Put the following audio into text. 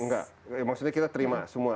enggak maksudnya kita terima semua